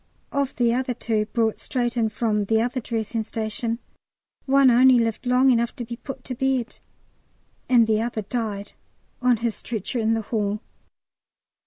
Of the other two, brought straight in from the other dressing station, one only lived long enough to be put to bed, and the other died on his stretcher in the hall.